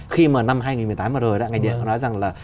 khi mà năm hai nghìn một mươi tám vừa rồi ngành điện đã nói rằng là